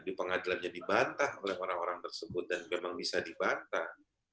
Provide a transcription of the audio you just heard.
di pengadilan jadi bantah oleh orang orang tersebut dan memang bisa dibantah